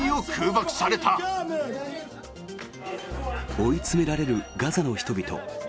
追いつめられるガザの人々。